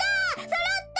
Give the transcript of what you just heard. そろった！